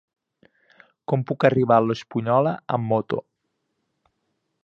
Com puc arribar a l'Espunyola amb moto?